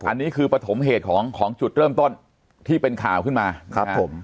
อันนี้คือปฐมเหตุของจุดเริ่มต้นที่เป็นข่าวขึ้นมาครับผม